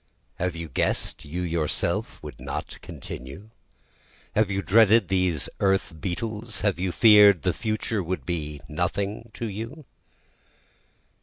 Have you guess'd you yourself would not continue? Have you dreaded these earth beetles? Have you fear'd the future would be nothing to you?